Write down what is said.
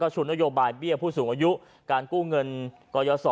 ชูนโยบายเบี้ยผู้สูงอายุการกู้เงินกยศ